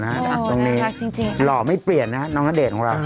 หรือเปล่านะครับตรงนี้หล่อไม่เปลี่ยนนะครับน้องณเดชน์ของเรา